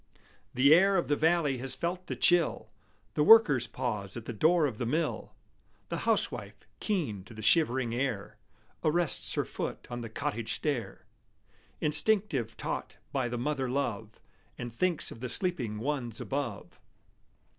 The air of the valley has felt the chill; The workers pause at the door of the mill; The housewife, keen to the shivering air, Arrests her foot on the cottage stair, Instinctive taught by the mother love, And thinks of the sleeping ones above.